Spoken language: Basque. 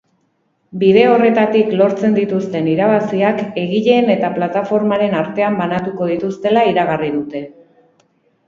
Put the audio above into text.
Bide horretatik lortzen dituzten irabaziak egileen eta plataformaren artean banatuko dituztela iragarri dute.